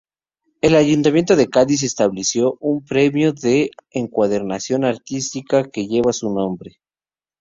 El Ayuntamiento de Cádiz estableció un premio de encuadernación artística que lleva su nombre.